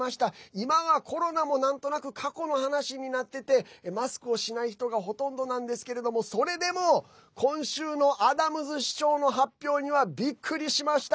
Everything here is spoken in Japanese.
今はコロナもなんとなく過去の話になっててマスクをしない人がほとんどなんですけれどもそれでも、今週のアダムズ市長の発表にはびっくりしました。